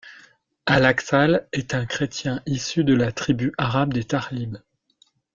Al-Akhtal est un chrétien issu de la tribu arabe des Taghlib.